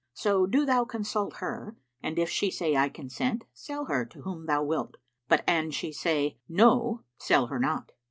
So do thou consult her and if she say, 'I consent,' sell her to whom thou wilt: but an she say, 'No,' sell her not."